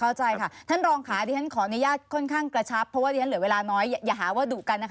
เข้าใจค่ะท่านรองค่ะดิฉันขออนุญาตค่อนข้างกระชับเพราะว่าดิฉันเหลือเวลาน้อยอย่าหาว่าดุกันนะคะ